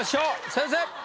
先生！